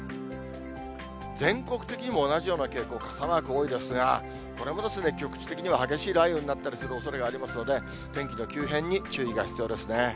全国的にも同じような傾向、傘マーク多いですが、これも局地的には激しい雷雨になったりするおそれがありますので、天気の急変に注意が必要ですね。